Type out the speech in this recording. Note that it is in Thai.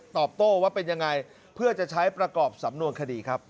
ตอบโต้ว่าเป็นยังไงเพื่อจะใช้ประกอบสำนวนคดีครับ